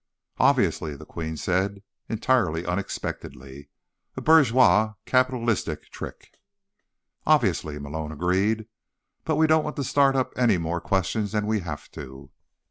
"Obviously," the Queen said, entirely unexpectedly, "a bourgeois capitalistic trick." "Obviously," Malone agreed. "But we don't want to start up any more questions than we have to."